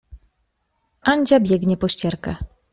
Andzia biegnie po ścierkę.